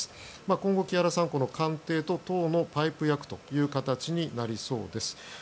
今後、木原さんが官邸と党のパイプ役という形になりそうです。